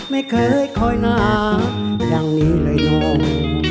ไม่เคยคอยหนักอย่างนี้เลยน้อง